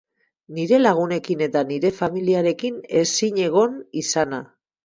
Nire lagunekin eta nire familiarekin ezin egon izana.